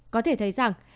có thể thấy rằng